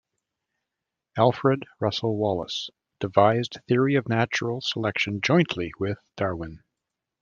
Alfred Russel Wallace: Devised theory of natural selection jointly with Darwin.